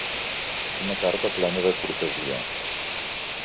Una carta plena de cortesia.